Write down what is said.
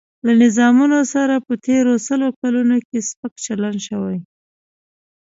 له نظامونو سره په تېرو سلو کلونو کې سپک چلن شوی.